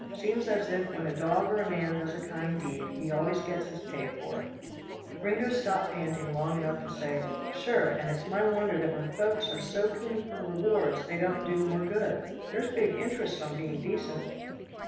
Seems as if when a dog or a man does a kind deed, he always gets his pay for it." Gringo stopped panting long enough to say, "Sure, and it's my wonder that when folks are so keen for rewards, they don't do more good. There's big interest on being decent."